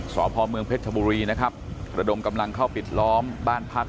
สพเมืองเพชรชบุรีนะครับระดมกำลังเข้าปิดล้อมบ้านพัก